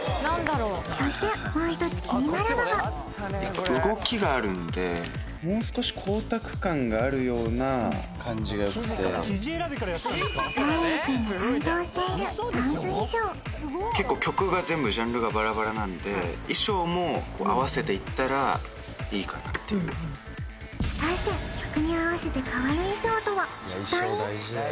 そしてもう一つ気になるのががよくてラウールくんが担当しているダンス衣装結構曲が全部ジャンルがバラバラなんで衣装も合わせていったらいいかなっていう果たして曲に合わせて変わる衣装とは一体？